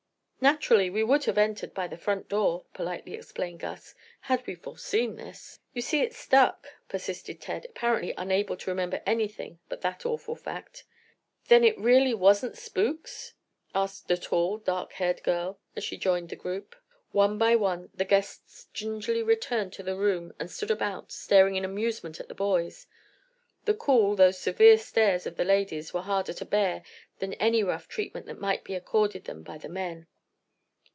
"Naturally, we would have entered by the front door," politely explained Gus, "had we foreseen this." "You see it stuck," persisted Ted, apparently unable to remember anything but that awful fact. "Then it really wasn't spooks," asked a tall, dark haired girl, as she joined the group. One by one the guests gingerly returned to the room and stood about, staring in amusement at the boys. The cool, though severe stares of the ladies were harder to bear than any rough treatment that might be accorded them by the men.